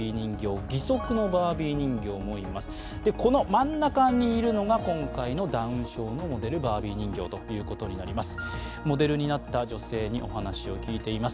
真ん中にいるのが今回のダウン症のモデル、バービー人形となります。